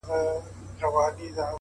• له هغو اوسنیو شعرونو سره ,